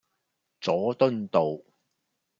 佐敦道